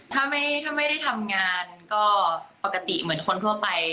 ถ้าไม่ได้ทำงานก็ปกติเหมือนคนทั่วไป